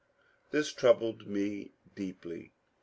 This troubled me deeply.